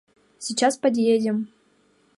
Сейчас подъедем...